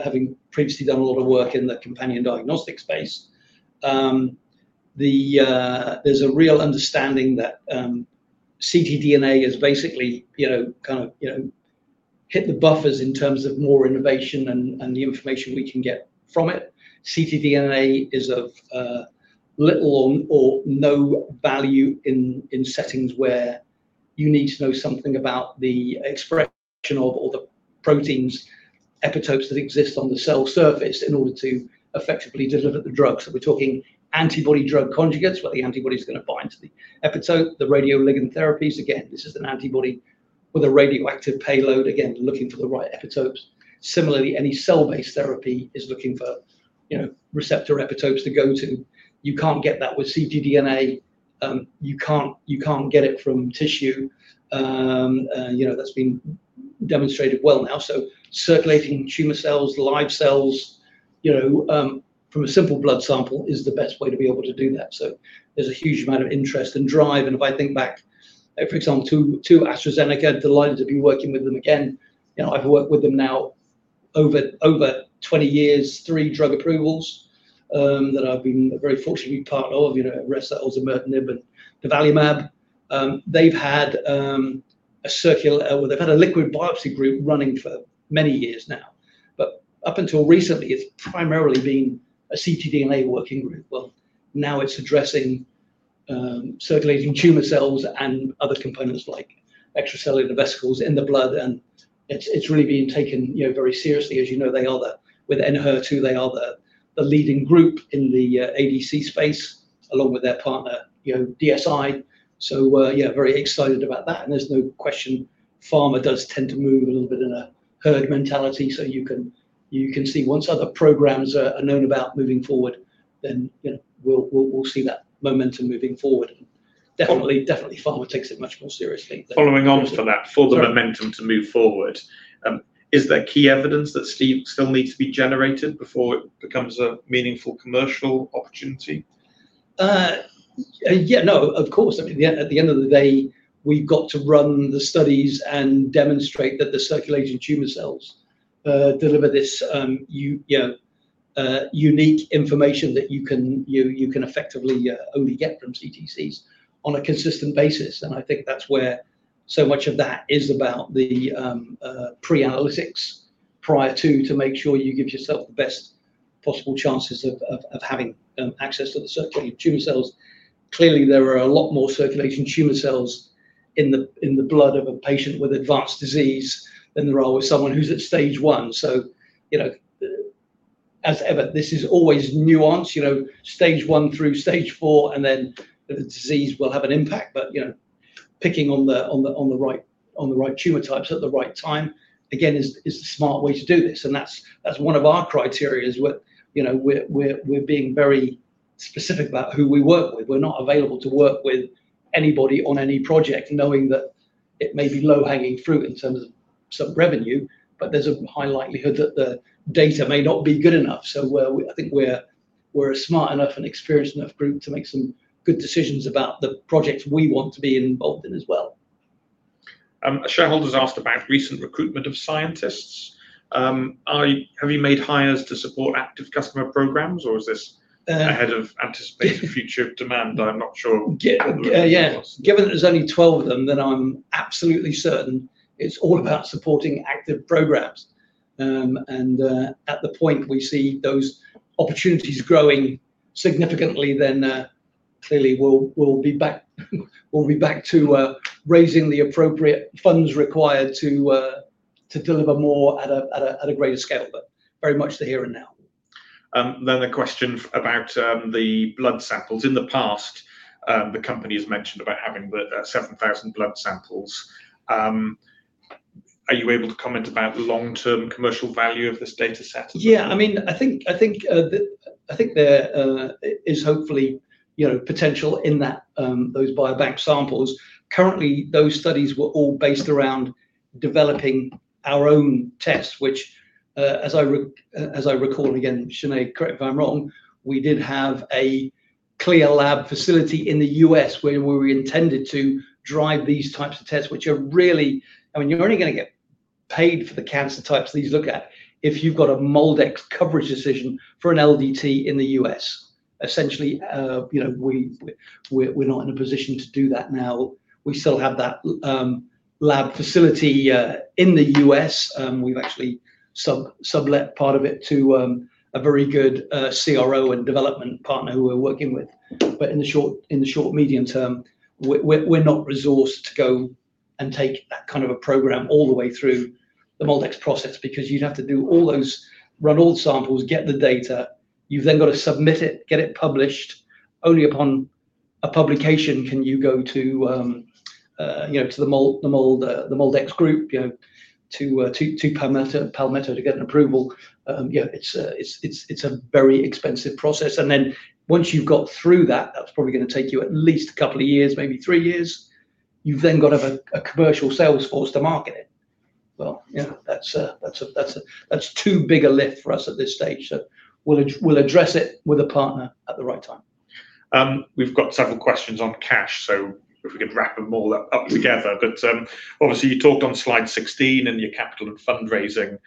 having previously done a lot of work in the companion diagnostic space. There's a real understanding that ctDNA has basically hit the buffers in terms of more innovation and the information we can get from it. ctDNA is of little or no value in settings where you need to know something about the expression of all the proteins, epitopes that exist on the cell surface in order to effectively deliver the drugs. We're talking antibody-drug conjugates, where the antibody's going to bind to the epitope, the radioligand therapies. Again, this is an antibody with a radioactive payload, again, looking for the right epitopes. Similarly, any cell-based therapy is looking for receptor epitopes to go to. You can't get that with ctDNA. You can't get it from tissue. That's been demonstrated well now. Circulating tumor cells, live cells, from a simple blood sample is the best way to be able to do that. There's a huge amount of interest and drive. If I think back, for example, to AstraZeneca, delighted to be working with them again. I've worked with them now over 20 years, three drug approvals, that I've been very fortunately part of. These are also osimertinib and tremelimumab. They've had a liquid biopsy group running for many years now. Up until recently, it's primarily been a ctDNA working group. Well, now it's addressing circulating tumor cells and other components like extracellular vesicles in the blood, and it's really being taken very seriously. As you know, with ENHERTU, they are the leading group in the ADC space along with their partner, DSI. Very excited about that. There's no question Pharma does tend to move a little bit in a herd mentality. You can see once other programs are known about moving forward, then we'll see that momentum moving forward. Definitely Pharma takes it much more seriously than. Following on from that, for the momentum to move forward, is there key evidence that still needs to be generated before it becomes a meaningful commercial opportunity? Of course. At the end of the day, we've got to run the studies and demonstrate that the circulating tumor cells deliver this unique information that you can effectively only get from CTCs on a consistent basis. I think that's where So much of that is about the pre-analytics prior to make sure you give yourself the best possible chances of having access to the circulating tumor cells. Clearly, there are a lot more circulating tumor cells in the blood of a patient with advanced disease than there are with someone who's at Stage 1. As ever, this is always nuanced, Stage 1 through Stage 4, and then the disease will have an impact. Picking on the right tumor types at the right time, again, is the smart way to do this. That's one of our criteria is we're being very specific about who we work with. We're not available to work with anybody on any project, knowing that it may be low-hanging fruit in terms of some revenue, there's a high likelihood that the data may not be good enough. I think we're a smart enough and experienced enough group to make some good decisions about the projects we want to be involved in as well. A shareholder's asked about recent recruitment of scientists. Have you made hires to support active customer programs, or is this ahead of anticipated future demand? I'm not sure. Yeah. Given that there's only 12 of them, I'm absolutely certain it's all about supporting active programs. At the point we see those opportunities growing significantly, clearly, we'll be back to raising the appropriate funds required to deliver more at a greater scale. Very much the here and now. The question about the blood samples. In the past, the company has mentioned about having the 7,000 blood samples. Are you able to comment about the long-term commercial value of this data set as well? I think there is hopefully potential in those biobank samples. Currently, those studies were all based around developing our own test, which, as I recall again, Sinéad, correct me if I'm wrong, we did have a CLIA lab facility in the U.S. where we intended to drive these types of tests. You're only going to get paid for the cancer types that you look at if you've got a MolDx coverage decision for an LDT in the U.S. Essentially, we're not in a position to do that now. We still have that lab facility in the U.S. We've actually sublet part of it to a very good CRO and development partner who we're working with. In the short, medium term, we're not resourced to go and take that kind of a program all the way through the MolDx process, because you'd have to run all the samples, get the data. You've then got to submit it, get it published. Only upon a publication can you go to the MolDx group, to Palmetto to get an approval. It's a very expensive process. Once you've got through that's probably going to take you at least a couple of years, maybe three years. You've then got to have a commercial sales force to market it. That's too big a lift for us at this stage. We'll address it with a partner at the right time. We've got several questions on cash, if we could wrap them all up together. Obviously, you talked on slide 16 in your capital and fundraising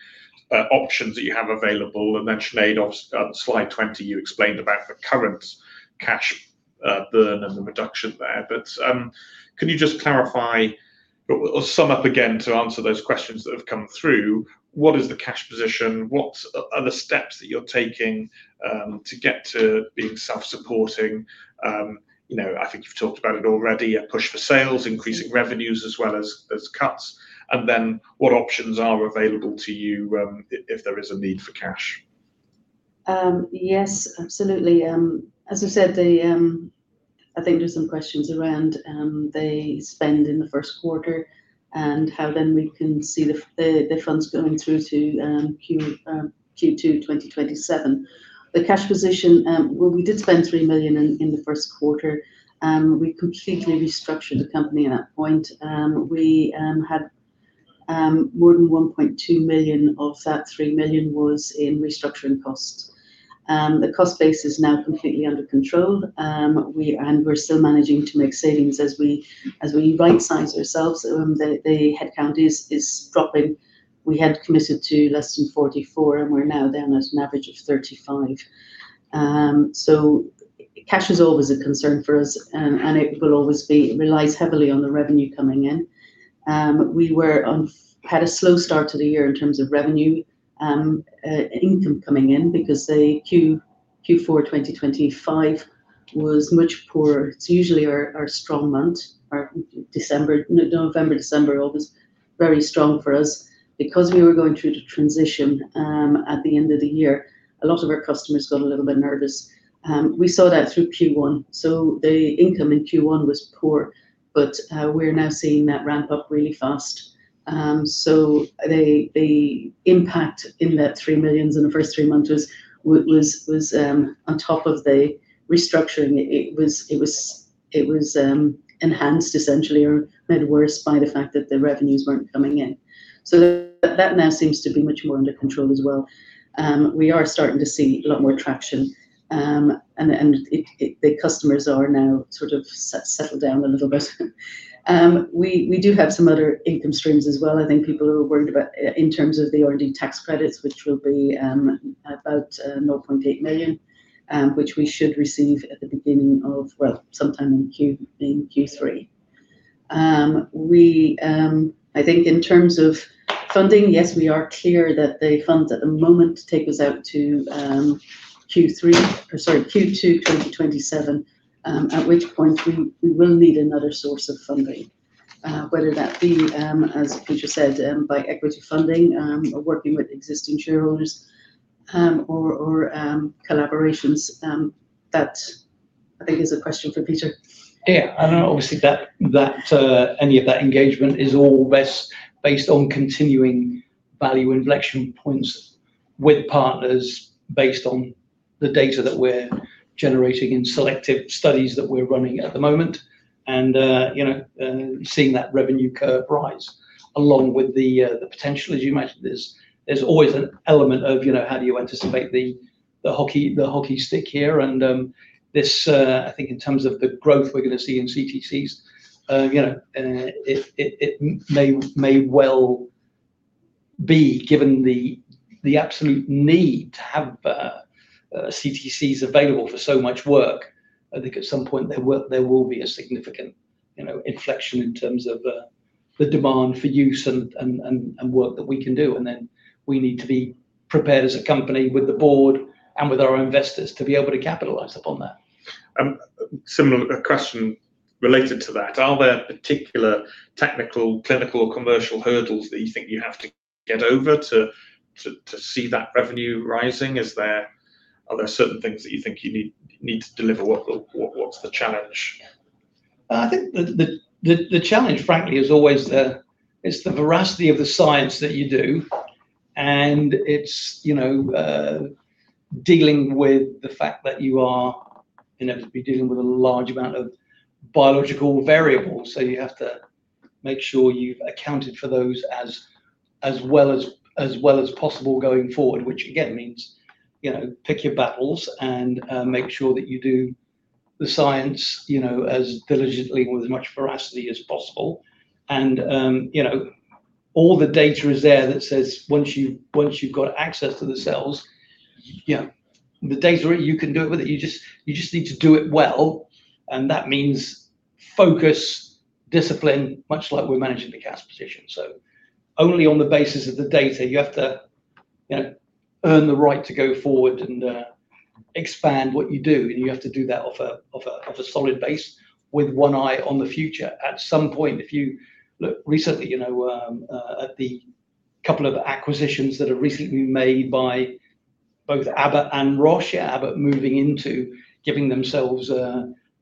options that you have available. Sinéad, on slide 20, you explained about the current cash burn and the reduction there. Can you just clarify or sum up again to answer those questions that have come through? What is the cash position? What are the steps that you're taking to get to being self-supporting? I think you've talked about it already, a push for sales, increasing revenues as well as cuts, what options are available to you if there is a need for cash? Yes, absolutely. As I said, I think there's some questions around the spend in the first quarter and how we can see the funds going through to Q2 2027. The cash position, we did spend 3 million in the first quarter. We completely restructured the company at that point. More than 1.2 million of that 3 million was in restructuring costs. The cost base is now completely under control. We're still managing to make savings as we right-size ourselves. The head count is dropping. We had committed to less than 44, and we're now down at an average of 35. Cash is always a concern for us, and it relies heavily on the revenue coming in. We had a slow start to the year in terms of revenue income coming in because the Q4 2025 was much poorer. It's usually our strong month. November, December, August, very strong for us. We were going through the transition at the end of the year, a lot of our customers got a little bit nervous. We saw that through Q1. The income in Q1 was poor, but we're now seeing that ramp up really fast. The impact in that 3 million in the first three months was on top of the restructuring. It was enhanced, essentially, or made worse by the fact that the revenues weren't coming in. That now seems to be much more under control as well. We are starting to see a lot more traction, the customers are now sort of settled down a little bit. We do have some other income streams as well. Yeah. I think people are worried about in terms of the R&D tax credits, which will be about 0.8 million, which we should receive at the beginning of, well, sometime in Q3. I think in terms of funding, yes, we are clear that the funds at the moment take us out to Q3, or sorry, Q2 2027, at which point we will need another source of funding, whether that be, as Peter said, by equity funding or working with existing shareholders, or collaborations. I think is a question for Peter. Yeah. Obviously any of that engagement is all based on continuing value inflection points with partners based on the data that we're generating in selective studies that we're running at the moment. Seeing that revenue curve rise along with the potential, as you mentioned, there's always an element of how do you anticipate the hockey stick here and I think in terms of the growth we're going to see in CTCs. It may well be, given the absolute need to have CTCs available for so much work, I think at some point there will be a significant inflection in terms of the demand for use and work that we can do. Then we need to be prepared as a company with the board and with our investors to be able to capitalize upon that. Similar question related to that, are there particular technical, clinical, or commercial hurdles that you think you have to get over to see that revenue rising? Are there certain things that you think you need to deliver? What's the challenge? I think the challenge, frankly, is always the veracity of the science that you do, and it's dealing with the fact that you are going to be dealing with a large amount of biological variables. You have to make sure you've accounted for those as well as possible going forward, which again, means pick your battles and make sure that you do the science as diligently or with as much veracity as possible. All the data is there that says once you've got access to the cells, the data, you can do it with it, you just need to do it well, and that means focus, discipline, much like we're managing the cash position. Only on the basis of the data, you have to earn the right to go forward and expand what you do. You have to do that off a solid base with one eye on the future. At some point, if you look recently, at the couple of acquisitions that are recently made by both Abbott and Roche. Abbott moving into giving themselves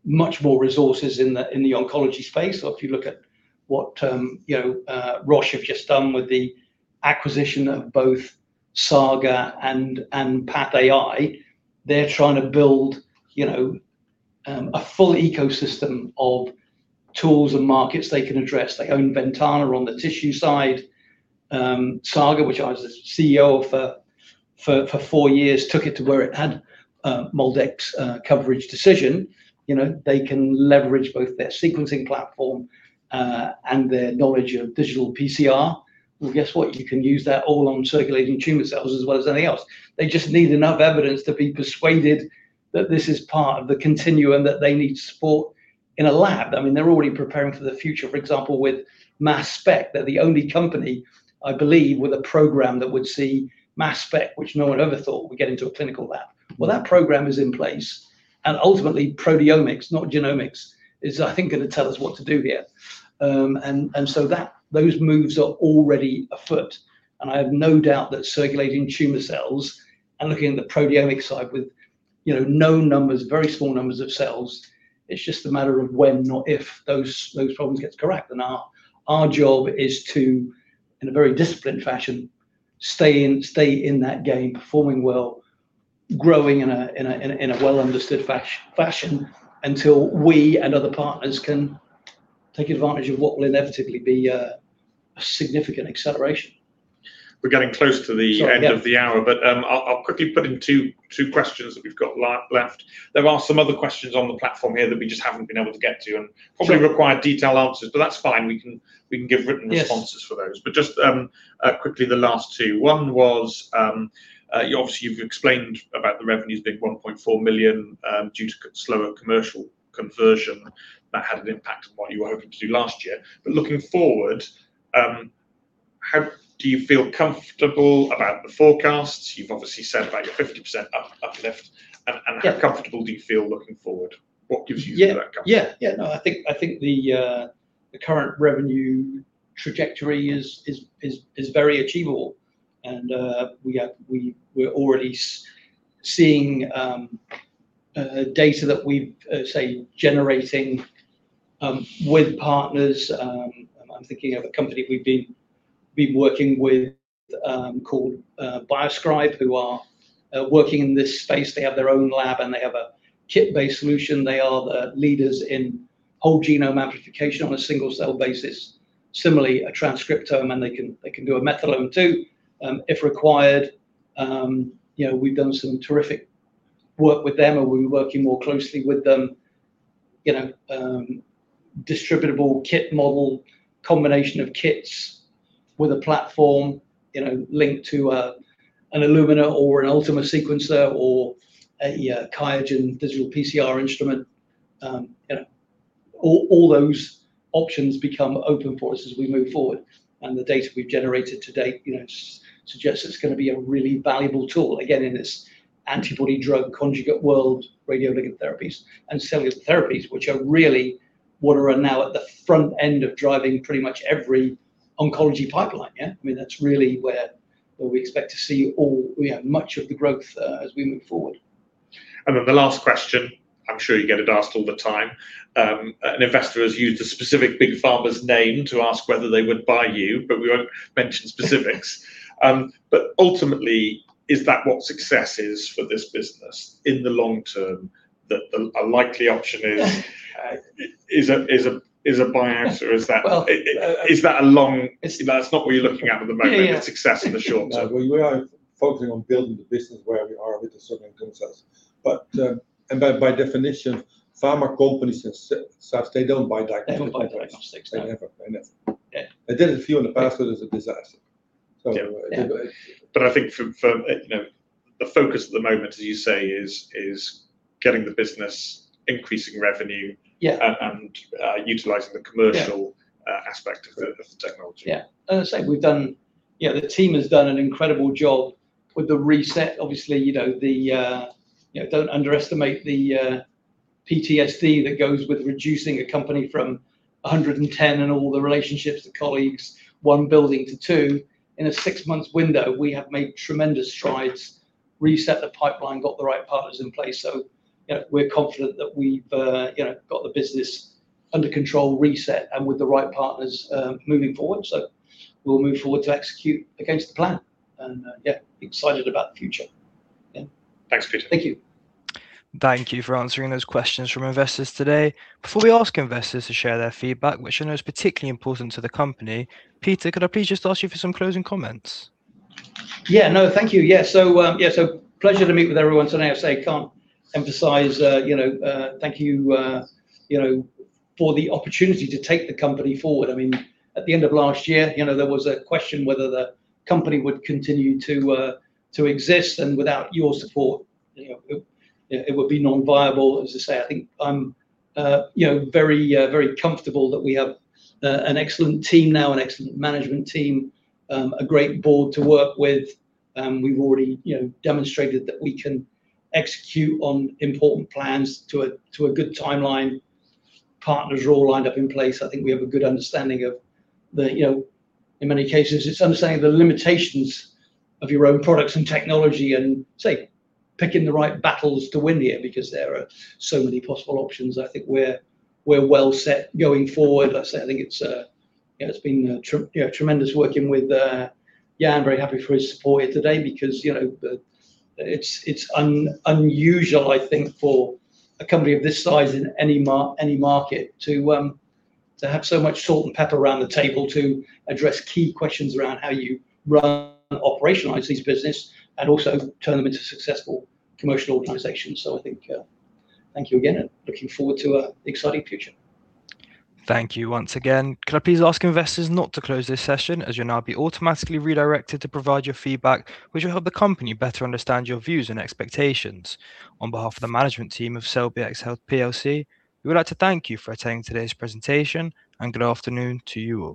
much more resources in the oncology space. If you look at what Roche have just done with the acquisition of both Saga and PathAI, they're trying to build a full ecosystem of tools and markets they can address. They own Ventana on the tissue side. Saga, which I was the CEO of for four years, took it to where it had MolDx coverage decision. They can leverage both their sequencing platform, and their knowledge of digital PCR. Guess what? You can use that all on circulating tumor cells as well as anything else. They just need enough evidence to be persuaded that this is part of the continuum that they need to support in a lab. They're already preparing for the future, for example, with mass spec. They're the only company, I believe, with a program that would see mass spec, which no one ever thought would get into a clinical lab. That program is in place, and ultimately proteomics, not genomics, is, I think, going to tell us what to do here. Those moves are already afoot, and I have no doubt that circulating tumor cells and looking at the proteomic side with known numbers, very small numbers of cells, it's just a matter of when, not if those problems get corrected. Our job is to, in a very disciplined fashion, stay in that game, performing well, growing in a well-understood fashion until we and other partners can take advantage of what will inevitably be a significant acceleration. We're getting close to the end- Sorry, yeah. Of the hour. I'll quickly put in two questions that we've got left. There are some other questions on the platform here that we just haven't been able to get to, and probably require detailed answers. That's fine. We can give written responses for those. Yes. Just quickly, the last two. One was, obviously you've explained about the revenues being 1.4 million, due to slower commercial conversion. That had an impact on what you were hoping to do last year. Looking forward, do you feel comfortable about the forecasts? You've obviously said about your 50% uplift. Yeah. How comfortable do you feel looking forward? What gives you that comfort? Yeah. No, I think the current revenue trajectory is very achievable. We're already seeing data that we've, say, generating with partners. I'm thinking of a company we've been working with called BioSkryb, who are working in this space. They have their own lab and they have a kit-based solution. They are the leaders in whole genome amplification on a single-cell basis. Similarly, a transcriptome, and they can do a methylome too, if required. We've done some terrific work with them and we'll be working more closely with them. Distributable kit model, combination of kits With a platform linked to an Illumina or an Ultima sequencer or a QIAGEN digital PCR instrument. All those options become open for us as we move forward. The data we've generated to date suggests it's going to be a really valuable tool, again, in this antibody-drug conjugate world, radioligand therapies, and cellular therapies, which are really what are now at the front end of driving pretty much every oncology pipeline. That's really where we expect to see much of the growth as we move forward. The last question, I'm sure you get it asked all the time. An investor has used a specific big pharma's name to ask whether they would buy you, we won't mention specifics. Ultimately, is that what success is for this business in the long term? That a likely option is a buyback? That's not what you're looking at at the moment, the success in the short term. We are focusing on building the business where we are with the certain concepts. By definition, pharma companies as such, they don't buy diagnostics. They don't buy diagnostics. They never. They never. Yeah. They did a few in the past, but it was a disaster. I think the focus at the moment, as you say, is getting the business, increasing revenue. Yeah. Utilizing the commercial aspect of the technology. Yeah. As I say, the team has done an incredible job with the reset. Obviously, don't underestimate the PTSD that goes with reducing a company from 110 and all the relationships, the colleagues, one building to two. In a six-month window, we have made tremendous strides, reset the pipeline, got the right partners in place. We're confident that we've got the business under control, reset, and with the right partners moving forward. We'll move forward to execute against the plan, and yeah, excited about the future. Yeah. Thanks, Peter. Thank you. Thank you for answering those questions from investors today. Before we ask investors to share their feedback, which I know is particularly important to the company, Peter, could I please just ask you for some closing comments? Thank you. Pleasure to meet with everyone today. As I say, I can't emphasize, thank you for the opportunity to take the company forward. At the end of last year, there was a question whether the company would continue to exist. Without your support, it would be non-viable. As I say, I think I'm very comfortable that we have an excellent team now, an excellent management team, a great board to work with. We've already demonstrated that we can execute on important plans to a good timeline. Partners are all lined up in place. I think we have a good understanding of the, in many cases, it's understanding the limitations of your own products and technology, picking the right battles to win here because there are so many possible options. I think we're well set going forward. As I say, I think it's been tremendous working with Jan, very happy for his support here today because it's unusual, I think, for a company of this size in any market to have so much salt and pepper around the table to address key questions around how you run and operationalize this business and also turn them into successful commercial organizations. I think thank you again, and looking forward to an exciting future. Thank you once again. Could I please ask investors not to close this session as you'll now be automatically redirected to provide your feedback, which will help the company better understand your views and expectations. On behalf of the management team of CelLBxHealth PLC, we would like to thank you for attending today's presentation. Good afternoon to you all.